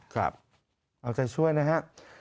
ครับเอาใจช่วยนะฮะ